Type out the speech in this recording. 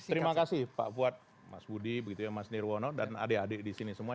terima kasih pak fuad mas budi mas nirwono dan adik adik di sini semua